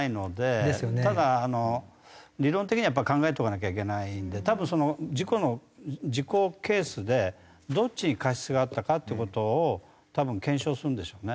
ただ理論的にはやっぱ考えとかなきゃいけないので多分その事故の事故ケースでどっちに過失があったかっていう事を多分検証するんでしょうね